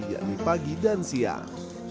yakni pagi dan siang